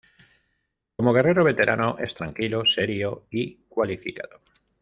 Como guerrero veterano, es tranquilo, serio y cualificado.